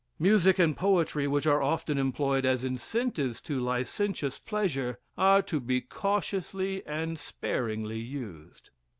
Music and poetry, which are often employed as incentives to licentious pleasure are to be cautiously and sparingly used.